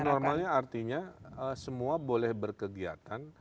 new normalnya artinya semua boleh berkegiatan